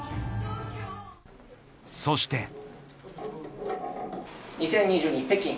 そして。